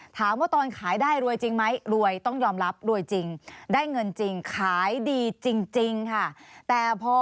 ถามว่าตอนขายได้รวยจริงไหมรวยต้องยอมรับรวยจริงได้เงินจริงขายดีจริงค่ะแต่พอ